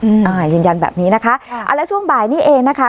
อืมอ่ายืนยันแบบนี้นะคะค่ะอ่าแล้วช่วงบ่ายนี้เองนะคะ